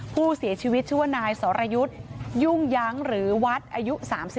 ผู้เสียชีวิตชื่อว่านายสรยุทธ์ยุ่งยั้งหรือวัดอายุ๓๒